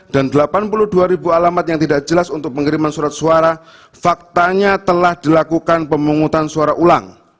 dan delapan puluh dua alamat yang tidak jelas untuk pengiriman surat suara faktanya telah dilakukan pemungutan suara ulang